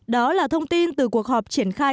đó là thông tin từ cuộc họp triển khai